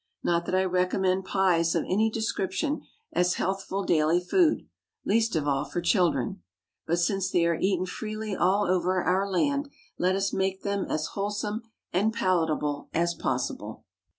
Not that I recommend pies of any description as healthful daily food—least of all for children. But since they are eaten freely all over our land, let us make them as wholesome and palatable as possible.